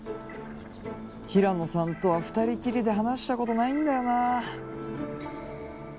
ヒラノさんとは２人きりで話したことないんだよなあ。